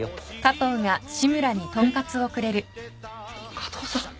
加藤さん。